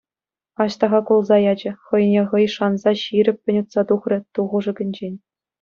Аҫтаха кулса ячӗ, хӑйне хӑй шанса ҫирӗппӗн утса тухрӗ ту хушӑкӗнчен.